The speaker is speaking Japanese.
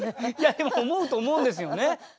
でも思うと思うんですよね。